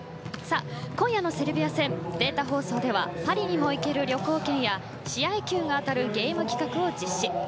今夜のセルビア戦データ放送ではパリにも行ける旅行券や試合球が当たるゲーム企画を実施。